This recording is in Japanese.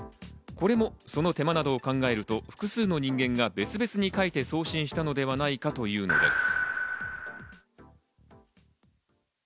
これもその手間などを考えると、複数の人間が別々に書いて送信したのではないかというのです。